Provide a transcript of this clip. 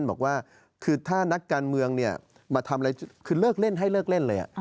บอกว่าคือถ้านักการเมืองมาทำอะไรคือเลิกเล่นให้เลิกเล่นเลย